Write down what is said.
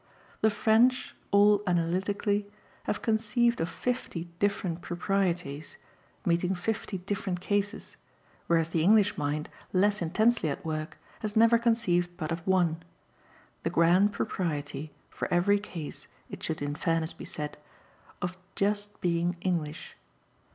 The French, all analytically, have conceived of fifty different proprieties, meeting fifty different cases, whereas the English mind, less intensely at work, has never conceived but of one the grand propriety, for every case, it should in fairness be said, of just being English.